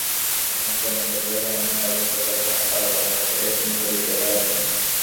আফগান কর্মকর্তাদের এমন দাবির ব্যাপারে তালেবানের পক্ষ থেকে কোনো প্রতিক্রিয়া পাওয়া যায়নি।